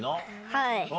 はい。